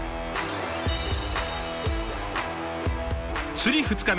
釣り２日目。